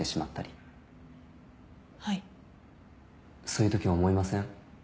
そういうとき思いません？